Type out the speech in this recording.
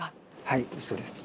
はいそうです。